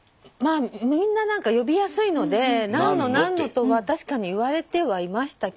みんな何か呼びやすいのでナンノナンノとは確かに言われてはいましたけど。